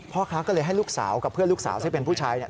พ่อค้าก็เลยให้ลูกสาวกับเพื่อนลูกสาวซึ่งเป็นผู้ชายเนี่ย